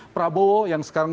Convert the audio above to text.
prabowo yang sekarang